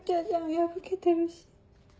破けてるし。